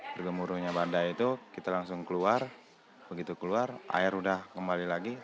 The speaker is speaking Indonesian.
bergemuruhnya badai itu kita langsung keluar begitu keluar air sudah kembali lagi